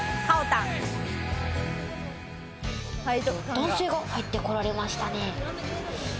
男性が入ってこられましたね。